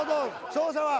勝者は？